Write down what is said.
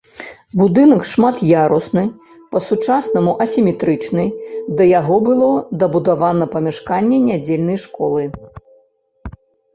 Будынак шмат'ярусны, па-сучаснаму асіметрычны, да яго было дабудавана памяшканне нядзельнай школы.